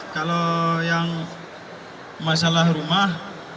kalau yang masalah rumah